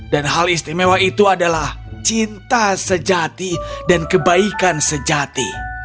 dan hal istimewa itu adalah cinta sejati dan kebaikan sejati